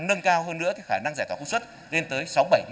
nâng cao hơn nữa thì khả năng giải tỏa công suất lên tới sáu mươi bảy mươi